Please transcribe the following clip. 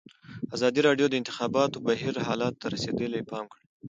ازادي راډیو د د انتخاباتو بهیر حالت ته رسېدلي پام کړی.